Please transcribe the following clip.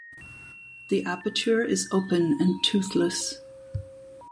The aperture is open and toothless.